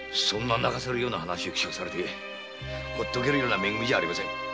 そんな泣かせるような話を聞かされてほっとけるような「め組」じゃありません。